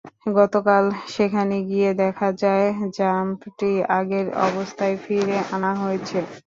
গতকাল সেখানে গিয়ে দেখা যায়, র্যাম্পটি আগের অবস্থায় ফিরিয়ে আনা হয়েছে।